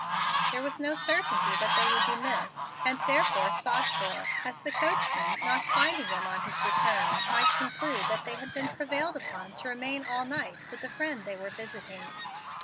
There was no certainty that they would be missed, and therefore sought for, as the coachman, not finding them on his return, might conclude that they had been prevailed upon to remain all night with the friend they were visiting.